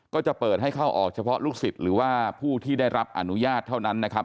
ก็จะเปิดให้เข้าออกเฉพาะลูกศิษย์หรือว่าผู้ที่ได้รับอนุญาตเท่านั้นนะครับ